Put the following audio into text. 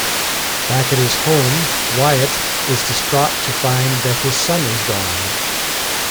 Back at his home, Wyatt is distraught to find that his son is gone.